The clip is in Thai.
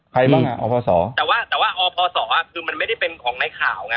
ใครบ้างอ่ะอพศแต่ว่าแต่ว่าอพศคือมันไม่ได้เป็นของในข่าวไง